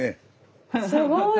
すごい！